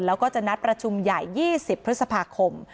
แล้วก็จะนัดประชุมใหญ่๒๐พฤษภาคม